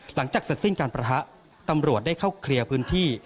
หลังจากเสร็จสิ้นการประทะตำรวจได้เข้าเคลียร์พื้นที่